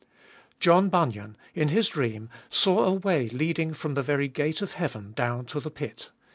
John Bunyan, in his dream, saw a way leading from the very gate of heaven down to the pit.